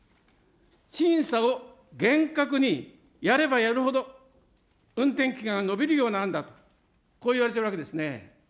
審査を厳格にやればやるほど、運転期間が延びるような案だと、こういわれているわけですね。